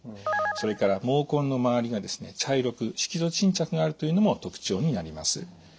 それから毛根の周りがですね茶色く色素沈着があるというのも特徴になります。